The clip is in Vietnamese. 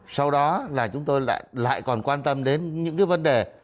sau đó là chúng tôi lại còn quan tâm đến những cái vấn đề